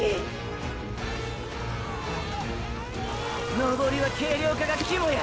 登りは軽量化がキモや！！